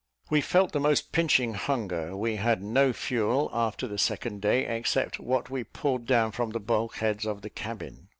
We felt the most pinching hunger; we had no fuel after the second day, except what we pulled down from the bulkheads of the cabin.